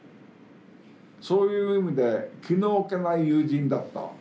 そういう意味で気の置けない友人だった。